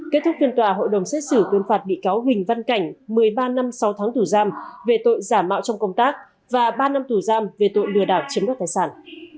kết thúc phiên tòa hội đồng xét xử tuyên phạt bị cáo huỳnh văn cảnh một mươi ba năm sáu tháng tù giam về tội giả mạo trong công tác và ba năm tù giam về tội lừa đảo chiếm đoạt tài sản